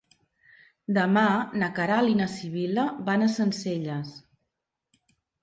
Demà na Queralt i na Sibil·la van a Sencelles.